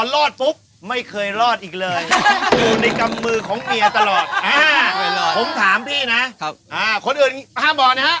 รับไปรวยกุ้งคราวป่าตราบ